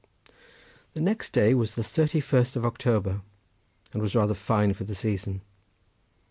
The next day was the thirty first of October, and was rather fine for the season.